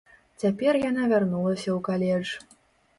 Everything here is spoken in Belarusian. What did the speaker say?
Цяпер яна вярнулася ў каледж.